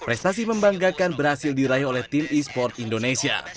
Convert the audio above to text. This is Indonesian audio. prestasi membanggakan berhasil diraih oleh tim e sport indonesia